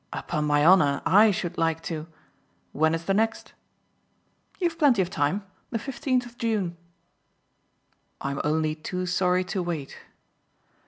"Upon my honour I should like to! When is the next?" "You've plenty of time the fifteenth of June." "I'm only too sorry to wait."